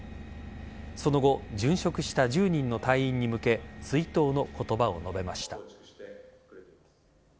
その後、殉職した１０人の隊員に向け追悼の言葉を述べました。